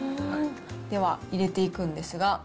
では、入れていくんですが。